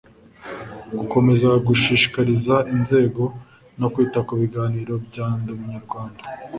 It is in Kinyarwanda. Gukomeza gushishikariza inzego no kwita ku biganiro bya Ndi Umunyarwanda